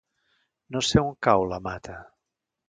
No sé on cau la Mata.